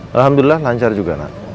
alhamdulillah lancar juga nak